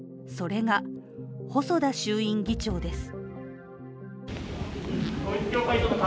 それが細田衆院議長です。